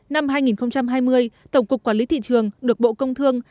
năm hai nghìn hai mươi tổng cục quản lý thị trường được bộ công thương